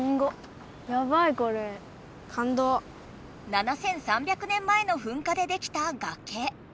７，３００年前のふんかでできた崖。